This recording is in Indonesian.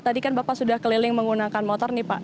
tadi kan bapak sudah keliling menggunakan motor nih pak